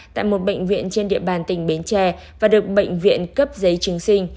tại một bệnh viện trên địa bàn tỉnh bến tre và được bệnh viện cấp giấy chứng sinh